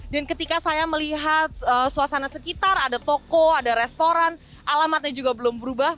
dan ketika saya melihat suasana sekitar ada toko ada restoran alamatnya juga belum berubah